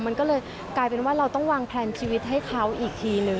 มันก็เลยกลายเป็นว่าเราต้องวางแพลนชีวิตให้เขาอีกทีนึง